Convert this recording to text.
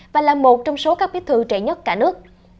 và là một trong số các bít thư trẻ nhất cả nước